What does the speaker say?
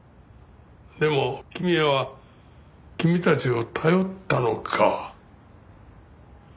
でも公也は君たちを頼ったのか。